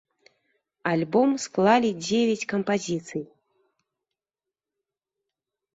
Альбом склалі дзевяць кампазіцый.